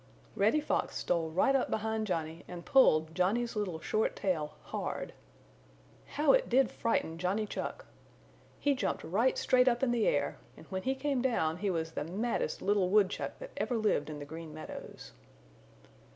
Reddy Fox stole right up behind Johnny and pulled Johnny's little short tail hard. How it did frighten Johnny Chuck! He jumped right straight up in the air and when he came down he was the maddest little woodchuck that ever lived in the Green Meadows.